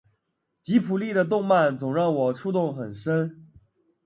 吉卜力的动漫总让我触动很深